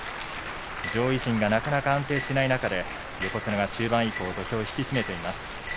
上位陣がなかなか安定しない中で横綱が中盤以降土俵を引き締めています。